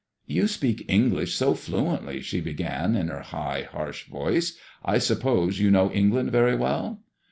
You speak English so fluently," she began, in her high, harsh voice, *^ I suppose you know England very well."